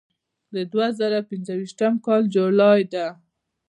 د دوه زره پنځه ویشتم کال جولای ده.